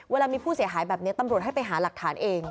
เวลามีผู้เสียหายแบบนี้ตำรวจให้ไปหาหลักฐานเอง